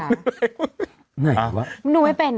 อะไรก็มึงดูไม่เป็นอะ